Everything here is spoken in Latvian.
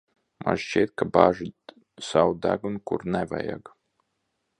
Man šķiet, ka bāžat savu degunu, kur nevajag.